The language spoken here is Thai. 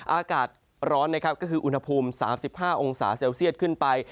อากาศร้อนนะครับก็คืออุณหภูมิ๓๕องศาเซลเซียตขึ้นไป